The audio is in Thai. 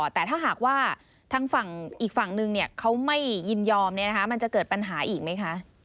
แต่ถ้าหากว่าทางฝั่งอีกฝั่งนึงเขาไม่ยินยอมมันจะเกิดปัญหาอีกไหมคะ